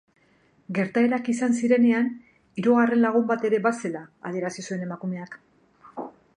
Gertaerak izan zirenean hirugarren lagun bat ere bazela adierazi zuen emakumeak.